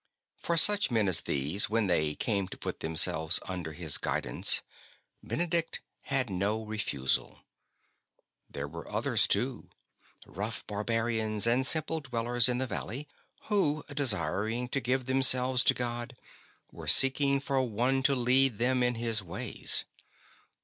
For such men as these, when they came to put themselves under his guidance, Benedict had no refusal. There were others, too, rough barbarians and simple dwellers in the valley, who, desiring to give themselves to God, were seeking for one to lead them in His ways.